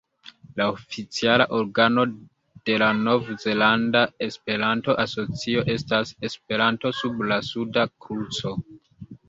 La oficiala organo de la Nov-Zelanda Esperanto-Asocio estas "Esperanto sub la Suda Kruco".